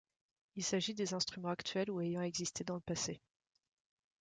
Il s'agit des instruments actuels ou ayant existé dans le passé.